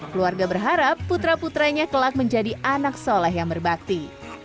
keluarga berharap putra putranya kelak menjadi anak soleh yang berbakti